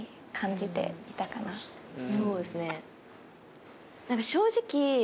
そうですね。